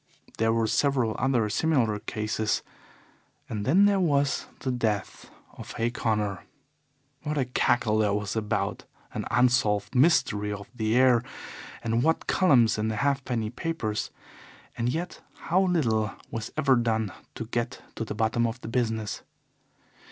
There were several other similar cases, and then there was the death of Hay Connor. What a cackle there was about an unsolved mystery of the air, and what columns in the halfpenny papers, and yet how little was ever done to get to the bottom of the business!